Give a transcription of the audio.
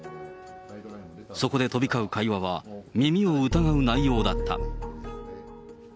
そこで飛び交う会話は、耳を疑う内容だった。